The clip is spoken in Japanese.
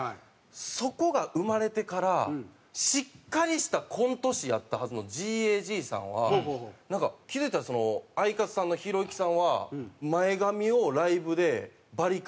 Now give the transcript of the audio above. そこが生まれてからしっかりしたコント師やったはずのＧＡＧさんはなんか気づいたらその相方さんのひろゆきさんは前髪をライブでバリカン入れたり。